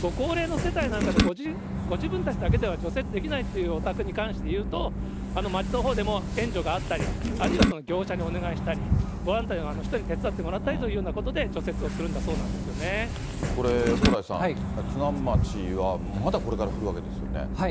ご高齢の世帯なんかで、ご自分たちだけでは除雪できないっていうお宅に関していうと、町のほうでも援助があったり、あるいは業者にお願いしたり、ボランティアの方に手伝ってもらったりという除蓬莱さん、津南町は、まだこれから降るわけですよね。